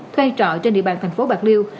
thuê trọ trên địa bàn thành phố bạc liêu